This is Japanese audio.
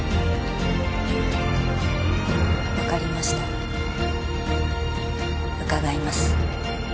分かりました伺います